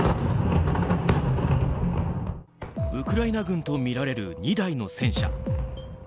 ウクライナ軍とみられる２台の戦車。